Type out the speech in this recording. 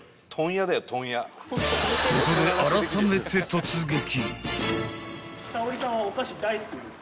［ここであらためて突撃］